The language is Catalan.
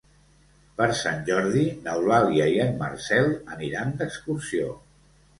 Per Sant Jordi n'Eulàlia i en Marcel aniran d'excursió.